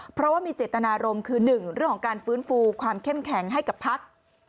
เพราะว่ามีเจตนารมณ์คือ๑เรื่องของการฟื้นฟูความเข้มแข็งให้กับพัก